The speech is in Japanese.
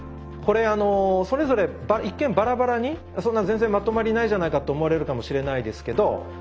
これそれぞれ一見バラバラにそんな全然まとまりないじゃないかと思われるかもしれないですけど